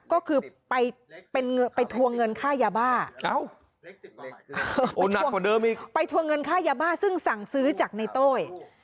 ก็คือไปทวงเงินค่ายาบ้าไปทวงเงินค่ายาบ้าซึ่งสั่งซื้อจากในโต้ย